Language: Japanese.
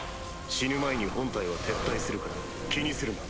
死ぬ前に本体は撤退するから気にするな。